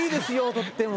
とっても。